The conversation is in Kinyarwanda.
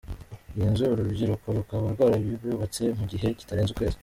Iyi nzu, uru rubyiruko rukaba rwarayubatse mu gihe kitarenze ukwezi.